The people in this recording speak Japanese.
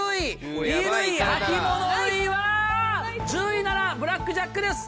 １０位ならブラックジャックです。